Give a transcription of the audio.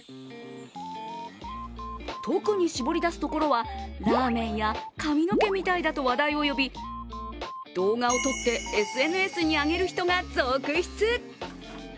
特に搾り出すところはラーメンや髪の毛みたいだと話題を呼び、動画を撮ってＳＮＳに上げる人が続出。